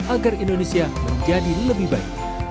agar indonesia menjadi lebih baik